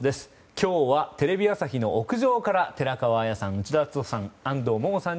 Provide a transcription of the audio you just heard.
今日はテレビ朝日の屋上から寺川綾さん、内田篤人さん